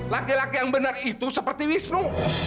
laki laki yang benar itu seperti wisnu